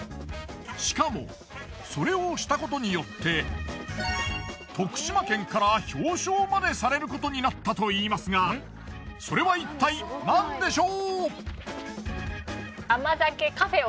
しかもそれをしたことによって徳島県から表彰までされることになったといいますがそれはいったい何でしょう？